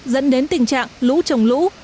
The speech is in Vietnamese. dẫn đến tình trạng lũ trồng lũ